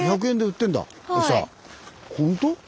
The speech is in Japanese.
１００円で売ってんだエサ。